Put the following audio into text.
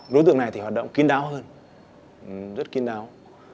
đối tượng này thì hoạt động kín đáo hơn rất kín đáo